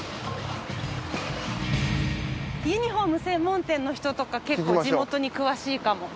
ユニフォーム専門店の人とか結構地元に詳しいかも。